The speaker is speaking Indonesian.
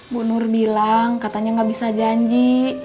bu nur bilang katanya nggak bisa janji